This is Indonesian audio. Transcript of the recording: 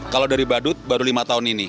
kalau dari badut baru lima tahun ini